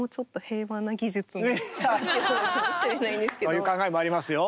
そういう考えもありますよ